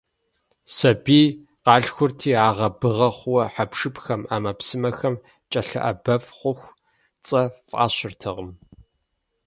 Сабийр къалъхурти, агъэ-быгъэ хъууэ хьэпшыпхэм, Ӏэмэпсымэхэм кӀэлъыӀэбэф хъуху, цӀэ фӀащыртэкъым.